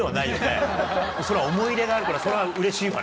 思い入れがあるからそれはうれしいわね。